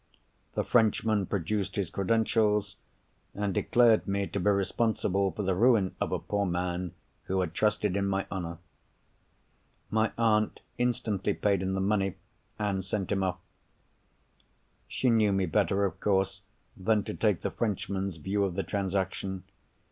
The Frenchman produced his credentials, and declared me to be responsible for the ruin of a poor man, who had trusted in my honour. My aunt instantly paid him the money, and sent him off. She knew me better of course than to take the Frenchman's view of the transaction.